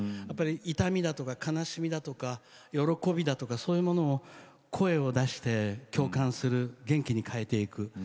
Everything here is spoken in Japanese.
痛みだとか、悲しみだとか喜びだとか、そういうものを声を出して共感する元気に変えていく。